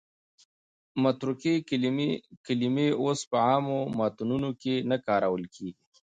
متروکې کلمې اوس په عامو متنونو کې نه کارول کېږي.